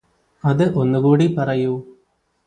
അത് ഒന്നുകൂടി പറയൂ